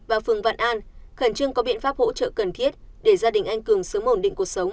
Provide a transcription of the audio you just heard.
và phường vạn an khẩn trương có biện pháp hỗ trợ cần thiết để gia đình anh cường sớm ổn định cuộc sống